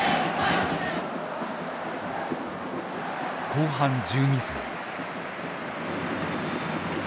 後半１２分。